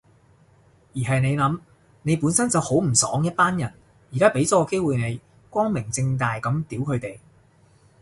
而係你諗，你本身就好唔爽一班人，而家畀咗個機會你光明正大噉屌佢哋